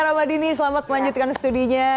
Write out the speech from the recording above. dika ramadhin selamat melanjutkan studinya